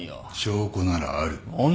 証拠ならある。